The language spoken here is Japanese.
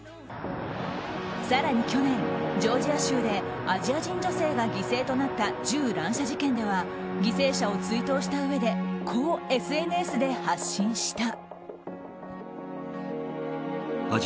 更に去年、ジョージア州でアジア人女性が犠牲となった銃乱射事件では犠牲者を追悼したうえでこうＳＮＳで発信した。